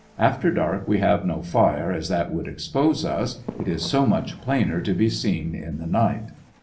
After dark we have no fire as that would expose us, it is so much plainer to be seen in the night.